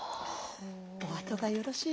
おあとがよろしいようで」。